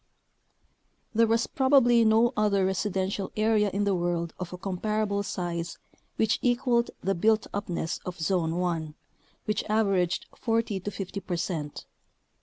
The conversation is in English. c. There was probably no other residential area in the world of a comparable size which equaled the built upness of Zone 1, which aver aged 40 to 50 percent.